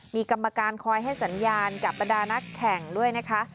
มีกรรมการคอยให้สัญญาณกับบรรดานักแข่งด้วยนะคะ